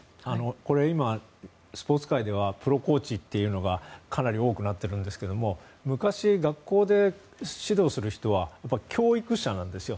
これ、今、スポーツ界ではプロコーチというのがかなり多くなっているんですが昔、学校で指導する人は教育者なんですよ。